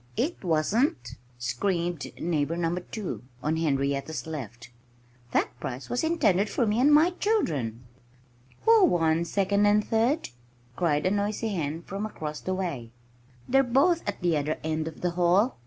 "It wasn't!" screamed Neighbor Number 2 (on Henrietta's left). "That prize was intended for me and my children!" "Who won second and third?" cried a noisy hen from across the way. "They're both at the other end of the hall!"